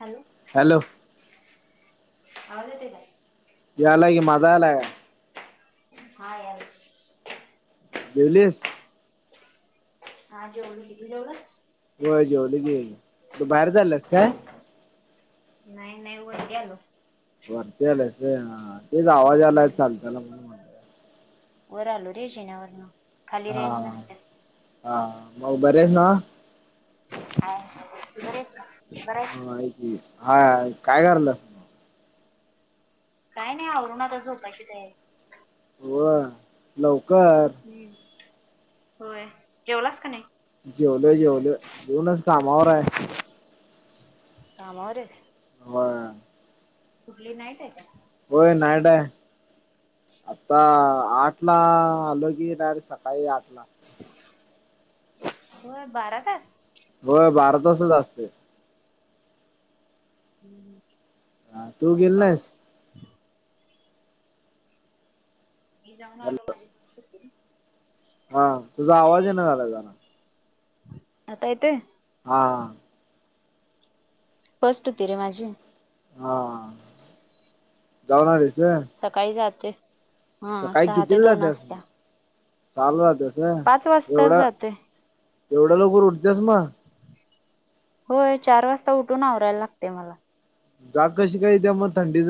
Hello. Hello. [unintelligible] यालायगि माझा आलाय. हा आ जिवलीस हां जेवलो की तू जेवलास. होय जेवलो की, तू बाहेर चालीयस काय. नाई नाई वरती आलो. वराती आल्यास [unintelligible] हां हां तेच आवाज यालाय हम्म चालत्याला वर आलो रे शेण्यावरण हां आं माउ बरी हाईस नवं [unintelligible] आहे हा काय करता काय नाई आवरून आता झोपायची तयारी. व्ह लवकर. होय जेवलास का नाही. जेवलोय जेवलोय जेऊनच कामावराय कामावरेस [unintelligible] कुटली नाय [unintelligible] होय नायडाय आत्ता आठला आलो की डायरेक्ट सकाळी आठला व्हय बारा तास. व्हय बारा तासच असतयं. तू हं गेली नाहीस [unintelligible] पाऊस मी जाऊन आलो माझी [unintelligible] हां तुजा आवाज येईना झालाय जरा आत्ता येतोय. हां. फस्ट होती रे माझी हां जाऊन आलीस होयं. सकाळी जाते हां सहा ते दोन असतीया. चालू जाते ते. पाच वासता जाते. एवड्या लवकर उटत्यास म होय चार वासता उटून आवराय लागतंय मला जाग कशी काय येतीया म थंडीच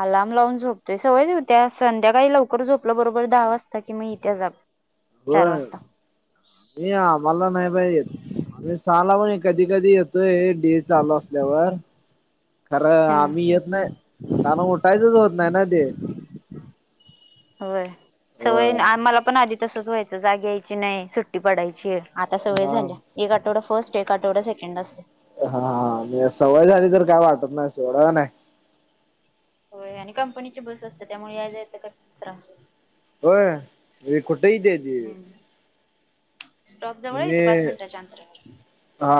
आलाम लाउन झोपतोय सवयच हुत्या संद्याकाळी लवकर झोपलो बरोबर दहा वासता की म येतीया जाग चार बर वाजता मी आम्हाला नाई बाई येत आमी साला [unintelligible] कदी कदी येतोय [unintelligible] चालू असल्यावर खरं हा आमी यत नाय कारण उठायचच होत नाय ना ते हवय सवयीन होय आ मला पण आदी तसंच व्हायचं जाग यायची नई सुट्टी पडायची आता सवय हा झाल्या एक आटवडा फस्ट एक आटवडा सेकेंड आसते हां हां हां नि सवय झाली तर काय वाटत नाई सोड [unintelligible] होय आणि कंपनीची बस असतं त्यामुळे या जायचं का त्रास हो होय ही कुठइत्या ती हम्म. स्टॉप जवळ इथ पाच मी मिनिटाच्या अंतरावर हा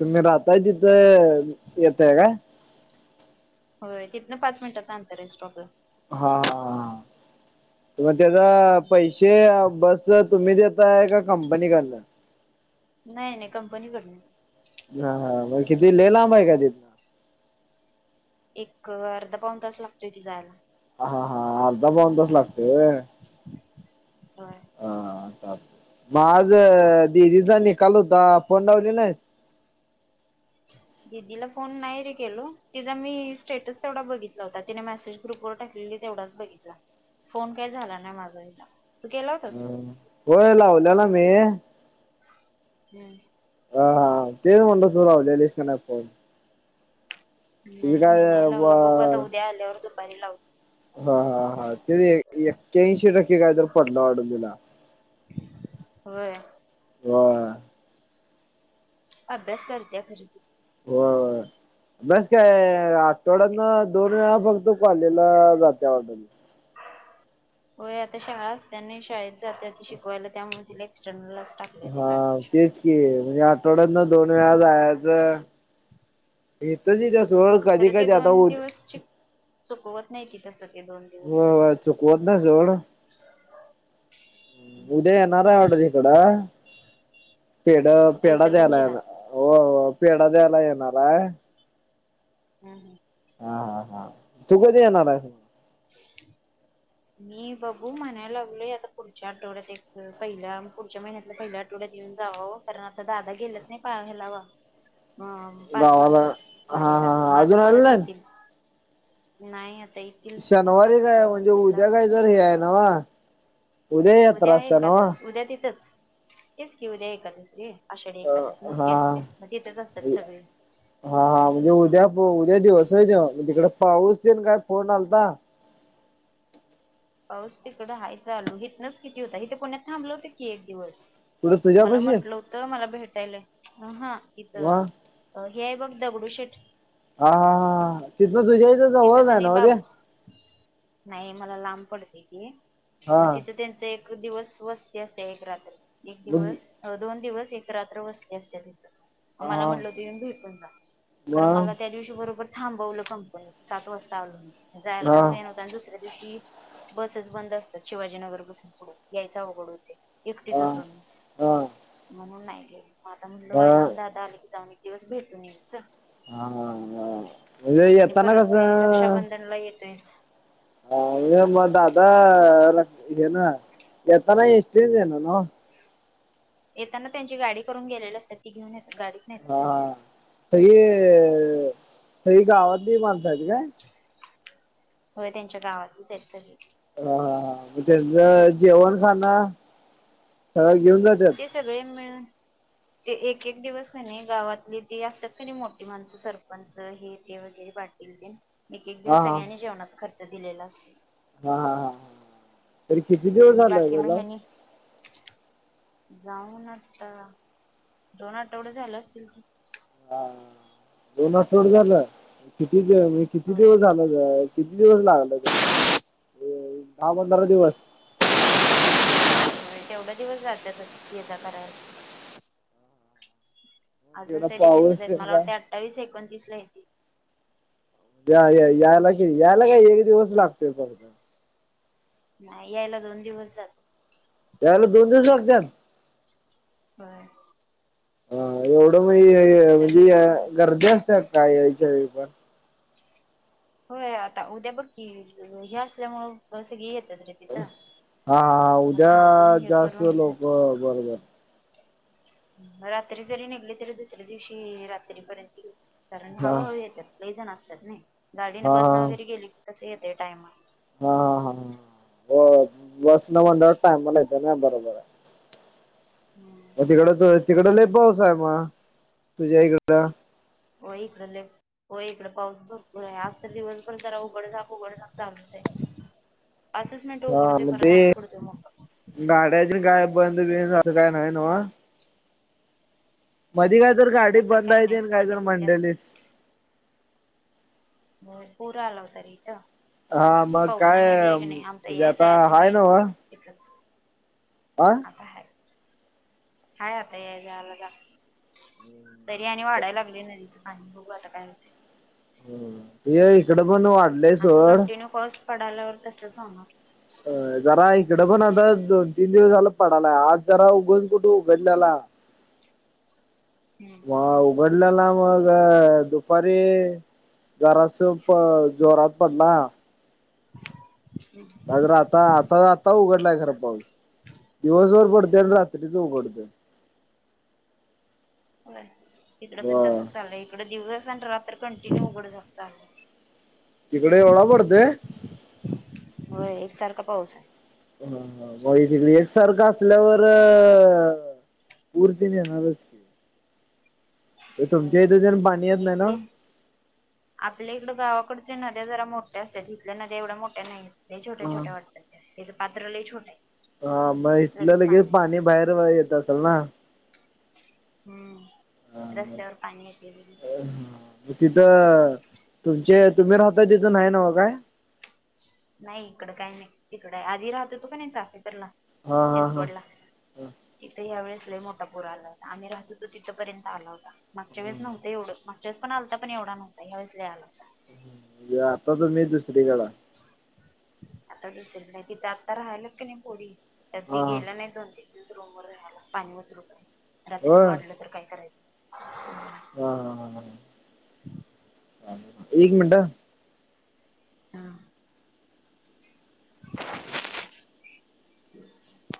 तुम्ही राहताय तिथ येताय का होय तिथंन पाच मिनटाचा अंतर आहे स्टॉपला हा हा मग त्याचा पैसे बस च तुम्ही देताय का कंपनी कडन नाही नाही कंपनी कडन हा हा मग किती लय लांब हाय काय ते एक अर्धा पाऊन तास लागतोय कि जायला हा हा अर्धा पाउन तास लागतोय होय होय हा मग आज दिदीचा निकाल होता फोन लावली नाहीस दिदीला फोन नाही रे केलो तिचा मी स्टेटस तेवढा बघितला होता तिने मेसेज ग्रुपवर टाकलेली तेवढाच बघितला फोन काय झाला नाय माझा हिला तू केला होतास होय लावल्याला मी हम्म अ हा तेच म्हणलं तू लावलेलीस का नाही फोन तुम्ही काय नाही व लावला बघू आता उद्या आल्यावर दुपारी लावतो हा हा हा ते एक्क्याऐंशी टक्के काय तर पडलं वाडत तिला होय ह अभ्यास करत्या घरी होय बस काय आठवड्यातन दोन वेळा फक्त कॉलेजला जात्या वाटत ती व्हय आता शाळा असत्या नी शाळेत जात्या ती शिकवायला त्यामुळे तिला एक्स्टर्नल टाक हा तेच की म्हणजे आठवड्यातन दोन वेळा जायाचं इथ जी जास् खरं ते दोन दिवसची चुकवत नाही ती तस ते दोन दिवस होय होय चुकवत नाही सोड. उद्या येणार आहे वाटत तिकडं पेढ कुठे पेढा द्यायला इचलकरंजीला येणार हो पेढा द्यायला येणार हाय हम् हम हा हा तू कधी येणार हाय मी बघू म्हणायला लागलोय आता पुढच्या आठवड्यात एक पहिल्या पुढच्या महिन्यातल्या पहिल्या आठ आठवड्यात येऊन जाव कारण आता दादा गेल्यात नी पा हेलावा अ गावाला? पालखीसोबत हा वारीला हा हा मग अजून आता आले परत नाहीत? येतील. नाही आता ये शनवारी काय म्हणजे उद्या काय तर हे हाय नव उद्या हाय एकादस उद्या तिथंच. तेच कि उद्या एकादस रे आषाढी अ एकादस हा मोठी असत्या मग तिथच असत्यात सगळी. हा हा म्हणजे उद्या उद्या दिवस होय तो, मग तिकडे पाऊस तेन काय फोन आलता? पाऊस तिकडं हाय चालू हितनच किती होता हिथ पुण्यात थांबलो होतो की एक दिवस. कुठं मला तुझ्यापाशी म्हंटलं होतं मला भेटायला अहा वा इथं अ हे हाय बघ दगडूशेठ, हा तिथनं तुझ्या हिथ तिथं जवळ आहे कणी नव ते? बाप नाही मला लांब पडतय ते हा मग तिथं त्यांच एक दिवस वस्ती असत्या एक रात्र एक मग दिवस अ दोन दिवस एक रात्र वस्ती असत्या तिथ. मला हा म्हटलं त येऊन भेटून जा कारण मग मला त्या दिवशी बरोबर थांबवलं कंपनी, सात वाजता आलो जायला हा पण वेळ न व्हता. आणि दुसऱ्या दिवशी बसेस बंद असतात शिवाजीनगर पासून पुढे यायच अवघड होतय. एकटीच हा होतो मी हा म्हणून नाही गेलो मग आता म्हणलं बर वारीसन दादा आली की जाऊन एक दिवस भेटून यायचं. हा हा हा म्हणजे येताना कास काय रक्षाबंधनला येतोयच. अ मग दादा हे न येताना एस टीनच येणार नव? येताना त्यांची गाडी करून गेलेली असत्यात ती घेऊन येतात गाडीतन येत्या सगळी. हा सगळी अ सगळी गावातली माणसं आहेत काय? हो त्यांच्या गावातलीच आहेत सगळी. ह हा हा मग त्यांचं जेवण खाण सगळं घेऊन जात्यात? ते सगळेजन मिळून ते एक एक दिवस कणी गावातली ती असतात कणी मोठी माणसं सरपंच हे ते वगैरे बा दि एक एक हा दिवस हा सगळ्यांनी जेवणाचा खर्च दिलेला असतो. हा हा हा तरी किती दिवस आणि झालं बाकी त्याला हेनी जाऊन आता दोन आठवड झाले असतील की. हा दोन आठवड झालं किती म्हणजे किती होय. दिवस झाल किती दिवस लागला तरी दहा पंधरा दिवस? होय तेवढ दिवस जातातच ये जा करायला. तेवढा अजून तरी तिथंच पाऊस आहेत तेन मला काय वाटतय अठ्ठावीस एकोणतीस ला येतील. या या यायला कि यायला काय एक दिवस लागतोय फक्त. नाही यायला दोन दिवस जा यायला दोन दिवस लागतात? होय. हा एवढं म म्हणजे सगळेच गर्दी असत्या काय यायच्या वेळी पण? होय आता उद्या बघकी हे असल्या मुळे सगळी येतात रे. तिथं. हा हा मग उद्या थांबून हे जास्त करून लोक बरोबर. रात्री जरी निघली तरी दुसऱ्या दिवशी रात्रीपर्यंत ये कारण हा हळूहळू येतात लई जण असतातनी गाडीने बसने हा वैगेरे गेलेले कसं येतय टाईमात. हा हा हा बसन म्हंटल्यावर टायमला येत ना बरोबर आहे. हम्म म तिकड तू तिकड लई पाऊस आहे मग तुझ्या इकडं. हो इकडे लय होय ईकड पाऊस भरपूर आहे आज तर दिवस पण जरा उकड-झाक, उगड-झाक चालू आहे. असं हा मग ते गाड्याची काय बंद-बिंद असं काय नाही ना. मधी काय तर गाडी आता तर बंद आहेे नाही तेन काय मध्ये तर होत्या. म्हंडेलीस. होय पूर आला होता रे इथं. हा मग पवना काय नदी म्हणजे आता हाय नव? एकच. आ? हाय, [inaudible] हाय आता याय-जायला जास्त. तरी आणि वाढाय लागले नदीचं पाणी बघू आता काय होत. हा, वय इकडं पण वाढलंय असं सोड. कंटिन्यू पाऊस पडाल्यावर तसच होणार अ जरा इकडं पण आता दोन-तीन दिवस झाला पडाला आज जरा उघून कुठे उघडलेला. हम्म म उघडलेला मग दुपारी जरास प जोरात पडला. [inaudible] हम्. आज जरा आता आता आता उघडलाय खरा पाऊस दिवसभर पडते आणि रात्रीच उघडते. वय, इकडं पण ब तसच चाललंय इकड दिवस आणि रात्र कंटिन्यू उघड-झाक चाललं. तीकड एवढा पडतोय? होय एक सारख पाऊस हाय. हा ह म ईकडे एकसारखं असल्यावर पुर तेन येणारच. म आहे होय तुमच्या इथं तेन पाणी येत नाही ना? इथली आपल्या इकड गावाकडच्या नद्या जरा मोठ्या असत्यात इथल्या नद्या एवढ्या मोठ्या नाही. लई छोट्या-छोट्या वाटतात त्याच पात्र लई छोट हाय. हा मग इथलं लगेच पाणी बाहेर येत असल ना. हम्म रस्त्यावर पाणी येतयचं. अ हा. म‌ तिथं तुमचे तुम्ही राहताय तिथं नाही न्हव काय? नाही इकडं काही नाही इकड आधी राहत होतो का नाही चाफेकरला हा हा हा चिंचवडला तिथं या वेळेस लई मोठा पूर आला होता. आम्ही राहत होतो तिथंपर्यंत आला होता. मागच्या वेळेस नव्हत एवढं. मा च्या वेळेस पण आलता पण येवढा नव्हता ह्यावेळेस लई आला होता. म्हणजे आता तुम्ही दुसरीकड हाय. आता दिसेल नाही, तिथ आता राहिल्यात की नाही पोरी. तर हा ती गेला नाही दोन-तीन दिवस रूमवर राहायला पाणी उतरू पर्यंत रात्रीत होय वाढलं तर काय करायचं. हा हा हा हा. एक मिनिट हा. हा. [inaudible]